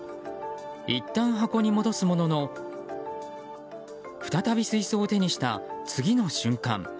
いったん箱に戻すものの再び水槽を手にした、次の瞬間